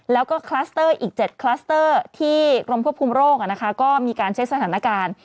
แล้วก็คลัสเตอร์อีก๗คลัสเตอร์ที่กรมควบคุมโรคก็มีการเช็คสถานการณ์